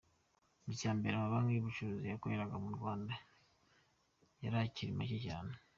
Icya mbere, amabanki y’ubucuruzi yakoreraga mu Rwanda yari akiri make cyane.